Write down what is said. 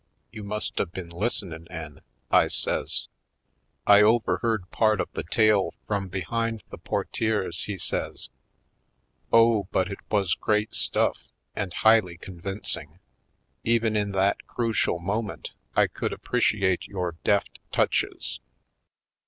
"You must a been lis'senin' 'en," I says. "I overheard part of the tale from behind Headed Home 253 the portieres," he says. ''Oh, but it was great stufif, and highly convincing! Even in that crucial moment I could appreciate your deft touches."